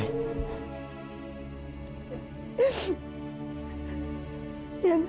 oka dapat mengerti